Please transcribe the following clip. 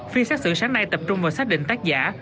phiên xác xử sáng nay tập trung vào xác định tác giả